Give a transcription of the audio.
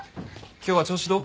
今日は調子どう？